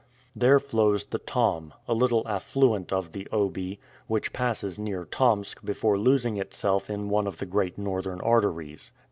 There flows the Tom, a little affluent of the Obi, which passes near Tomsk before losing itself in one of the great northern arteries.